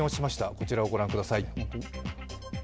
こちらをご覧ください。